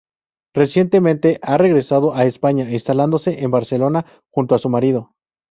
Recientemente ha regresado a España, instalándose en Barcelona junto a su marido.